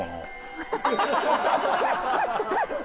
ハハハハ！